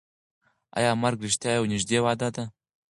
ایا مرګ رښتیا یوه نږدې وعده ده؟